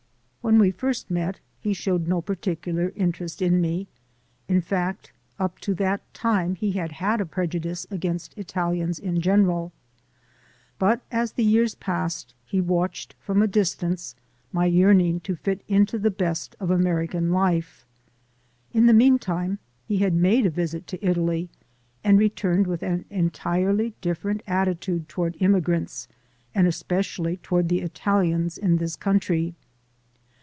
When we first met, he showed no particular interest in me ; in fact, up to that time he had had a prejudice against Italians in general. MY AMERICAN BIG BROTHER 219 But as the years passed he watched, from a distance, my yearning to fit into the best of American life. In the meantime he had made a visit to Italy and returned with an entirely different attitude toward immigrants, and especially toward the Italians in this country.